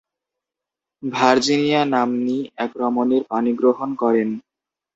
Virginia নাম্নী এক রমণীর পাণিগ্রহণ করেন।